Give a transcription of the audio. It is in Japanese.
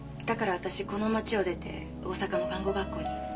だから私この町を出て大阪の看護学校に。